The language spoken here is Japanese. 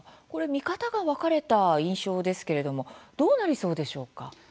見方が分かれた印象ですけれどもどうなりそうでしょうか。